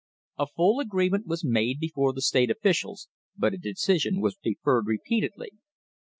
A full agreement was made before the state officials, but a decision was deferred repeatedly.